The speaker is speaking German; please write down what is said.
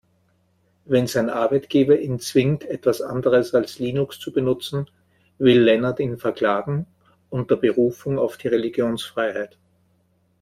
Wenn sein Arbeitgeber ihn zwingt, etwas anderes als Linux zu benutzen, will Lennart ihn verklagen, unter Berufung auf die Religionsfreiheit.